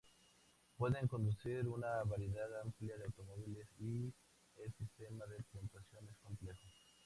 Pueden conducir una variedad amplia de automóviles y el sistema de puntuación es complejo.